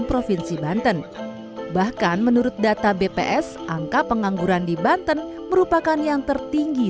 provinsi banten bahkan menurut data bps angka pengangguran di banten merupakan yang tertinggi